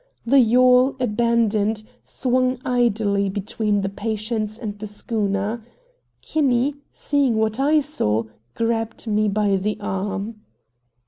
The yawl, abandoned, swung idly between the Patience and the schooner. Kinney, seeing what I saw, grabbed me by the arm.